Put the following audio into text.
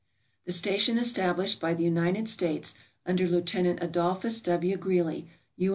The station established by the United States under Lieut. Adolphus W. Greely, U.